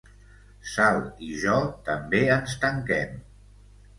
Sal i jo també ens tanquem.